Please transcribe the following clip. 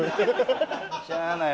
しゃあない。